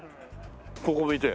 ここ見て。